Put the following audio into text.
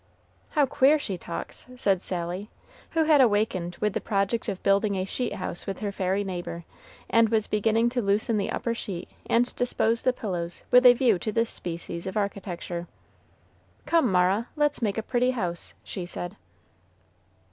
"How queer she talks!" said Sally, who had awakened with the project of building a sheet house with her fairy neighbor, and was beginning to loosen the upper sheet and dispose the pillows with a view to this species of architecture. "Come, Mara, let's make a pretty house!" she said.